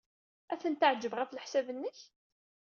Ad ten-teɛjeb, ɣef leḥsab-nnek?